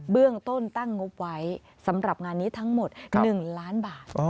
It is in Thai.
เบื้องต้นตั้งงบไว้สำหรับงานนี้ทั้งหมด๑ล้านบาท